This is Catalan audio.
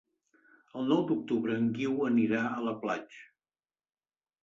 El nou d'octubre en Guiu anirà a la platja.